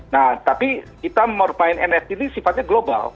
nah tapi kita bermain nft ini sifatnya global